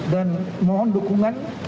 dan mohon dukungan